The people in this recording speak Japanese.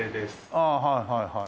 ああはいはいはい。